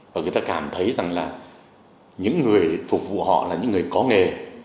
và người ta cảm thấy rằng là những người phục vụ họ là những người có nghề